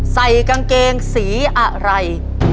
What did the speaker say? ใส่กางเกงสีอะไร